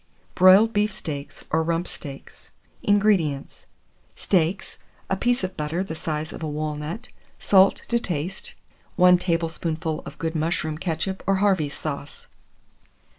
BROILED BEEF STEAKS or RUMP STEAKS. 611. INGREDIENTS. Steaks, a piece of butter the size of a walnut, salt to taste, 1 tablespoonful of good mushroom ketchup or Harvey's sauce.